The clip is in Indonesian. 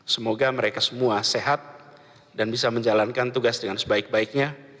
semoga mereka semua sehat dan bisa menjalankan tugas dengan sebaik baiknya